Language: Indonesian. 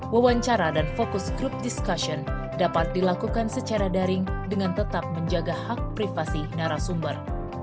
wawancara dan fokus grup diskusi dapat dilakukan secara daring dengan tetap menjaga hak privasi narasumber